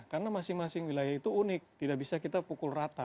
karena masing masing wilayah itu unik tidak bisa kita pukul rata